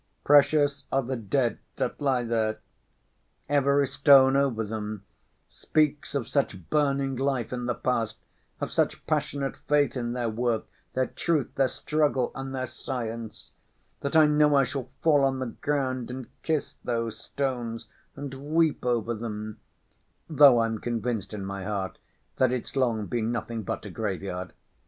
Precious are the dead that lie there, every stone over them speaks of such burning life in the past, of such passionate faith in their work, their truth, their struggle and their science, that I know I shall fall on the ground and kiss those stones and weep over them; though I'm convinced in my heart that it's long been nothing but a graveyard.